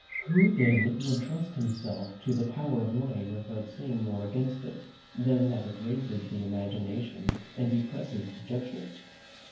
Who then would trust himself to the power of wine without saying more against it, than that it raises the imagination and depresses the judgment?